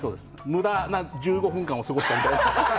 無駄な１５分間を過ごしたみたいな。